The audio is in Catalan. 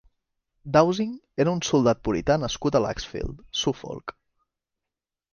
Dowsing era un soldat purità nascut a Laxfield, Suffolk.